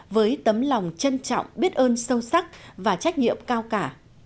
với tấm lòng trân trọng biết ơn sâu sắc và trách nhiệm cao cả